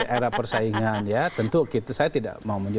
era persaingan ya tentu saya tidak mau